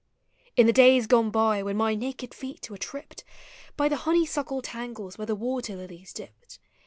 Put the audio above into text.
In the days gone by. when my naked feet were tripped Ky the honeysuckle tangles where the water lilies dipped.